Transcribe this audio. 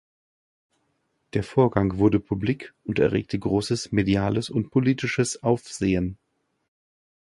Der Vorgang wurde publik und erregte großes mediales und politisches Aufsehen.